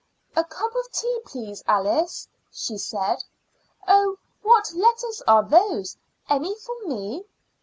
"A cup of tea, please, Alice," she said. "Oh, what letters are those? Any for me?